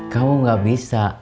kamu gak bisa